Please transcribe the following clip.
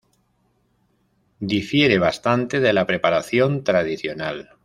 Difiere bastante de la preparación tradicional.